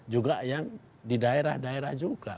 juga yang di daerah daerah juga